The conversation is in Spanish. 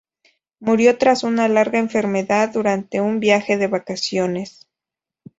Murió tras una larga enfermedad durante un viaje de vacaciones.